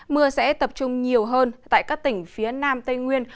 mưa sẽ tập trung nhiều hơn tại các tỉnh phía nam tây nguyên